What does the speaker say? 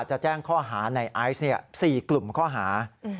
จะแจ้งข้อหาในไอซ์๔กลุ่มข้อหา